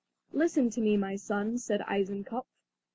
"Listen to me, my son," said Eisenkopf.